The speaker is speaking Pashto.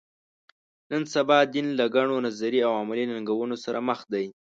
نن سبا دین له ګڼو نظري او عملي ننګونو سره مخ دی.